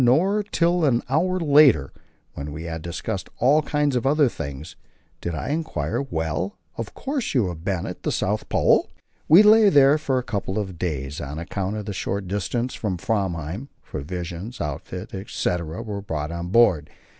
Not till an hour later, when we had discussed all kinds of other things, did I enquire "Well, of course you have been at the South Pole?" We lay there for a couple of days; on account of the short distance from Framheim, provisions, outfit, etc., were brought on board.